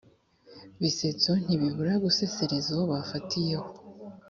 bisetso, ntibibura gusesereza uwo bafatiye ho